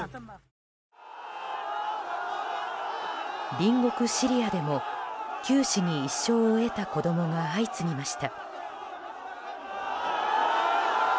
隣国シリアでも九死に一生を得た子供が相次ぎました。